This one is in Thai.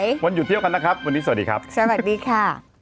วันนี้วันหยุดเที่ยวกันนะครับวันนี้สวัสดีครับสวัสดีค่ะ